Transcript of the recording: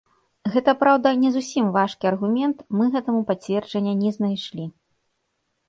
Гэта, праўда, не зусім важкі аргумент, мы гэтаму пацверджання не знайшлі.